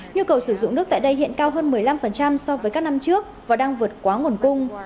nhu cầu sử dụng nước tại đây hiện cao hơn một mươi năm so với các năm trước và đang vượt quá nguồn cung